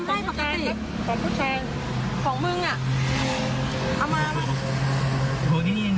งงมากเลยปิดทองผิด